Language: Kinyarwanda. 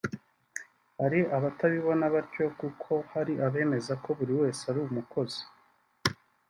hari abatabibona batyo kuko hari abemeza ko buri wese ari umukozi